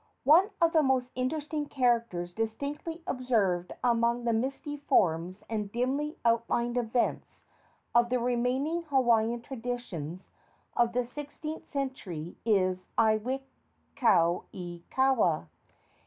One of the most interesting characters distinctly observed among the misty forms and dimly outlined events of the remaining Hawaiian traditions of the sixteenth century is Iwikauikaua.